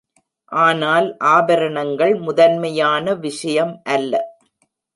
ஆனால் ஆபரணங்கள் முதன்மையான விஷயம் அல்ல.